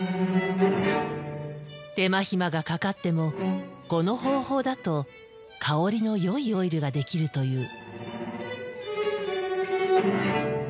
手間暇がかかってもこの方法だと香りのよいオイルが出来るという。